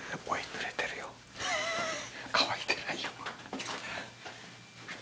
乾いてないよ。